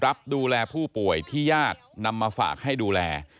รับดูแลผู้ป่วยที่ญาตินำมาฝากให้ดูแล